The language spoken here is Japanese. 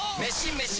メシ！